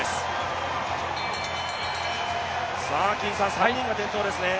３人が転倒ですね。